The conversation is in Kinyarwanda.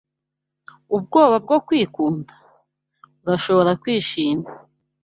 ubwoba bwo kwikunda! Urashobora kwishima